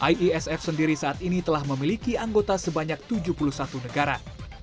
iesf sendiri saat ini telah memiliki anggota sebanyak tujuh puluh satu negara